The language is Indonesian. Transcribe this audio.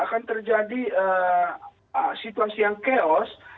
akan terjadi situasi yang chaos